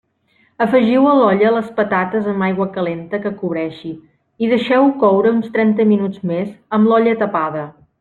Afegiu a l'olla les patates amb aigua calenta que cobreixi i deixeu-ho coure uns trenta minuts més amb l'olla tapada.